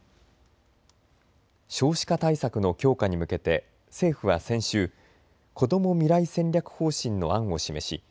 少子化対策の強化に向けて政府は先週、こども未来戦略方針の案を示し